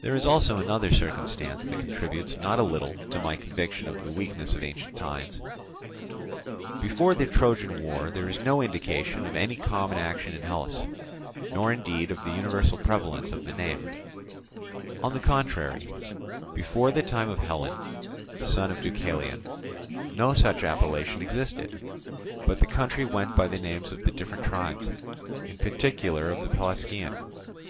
There is also another circumstance that contributes not a little to my conviction of the weakness of ancient times. Before the Trojan war there is no indication of any common action in Hellas, nor indeed of the universal prevalence of the name; on the contrary, before the time of Hellen, son of Deucalion, no such appellation existed, but the country went by the names of the different tribes, in particular of the Pelasgian.